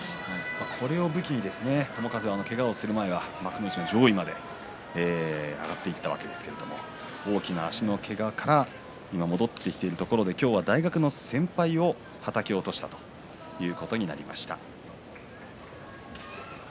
これを武器に友風はけがをするまでは幕内上位まで上がっていたわけですけれども大きな足のけがから今、戻ってきたところで今日は大学の先輩をはたき落としたということになりました。